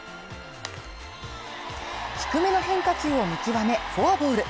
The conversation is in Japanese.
低めの変化球を見極めフォアボール。